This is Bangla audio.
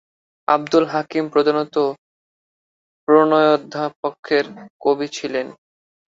আবদুল হাকিম প্রধানত প্রণয়োপাখ্যানের কবি ছিলেন।